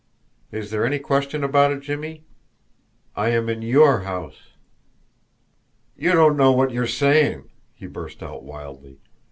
Is there any question about it, Jimmie? I am in YOUR house." "You don't know what you are saying!" he burst out wildly.